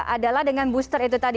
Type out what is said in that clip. adalah dengan booster itu tadi